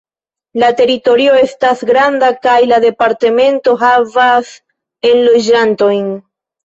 La teritorio estas granda, kaj la departemento havas enloĝantojn.